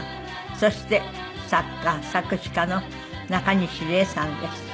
そして作家作詩家のなかにし礼さんです。